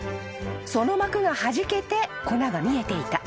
［その膜がはじけて粉が見えていた］